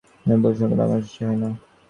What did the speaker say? এজন্য পুরুষ সংসর্গে আমার রুচি হয় না।